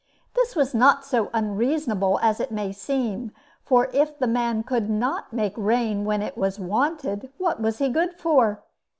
This was not so unreasonable as it may seem; for if the man could not make rain when it was wanted, what was he good for?